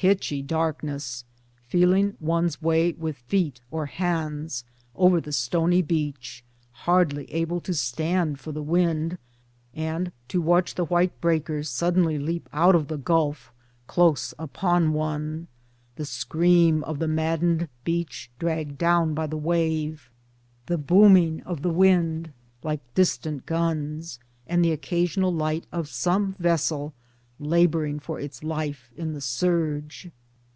pitchy dark ness feeling one's way with feet or hands, over the stony beach, hardly able to stand for the wind and to watch the white breakers suddenly leap out of the gulf close upon one the " scream of the madden 'd beach dragged down by the wave," the booming of the wind, like distant guns, and the occasional light of some vessel laboring; for its life in the surge.